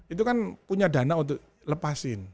itu kan punya dana untuk lepasin